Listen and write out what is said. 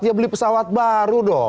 dia beli pesawat baru dong